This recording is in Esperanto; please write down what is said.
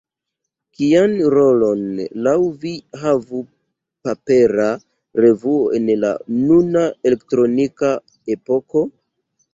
Kian rolon laŭ vi havu papera revuo en la nuna elektronika epoko?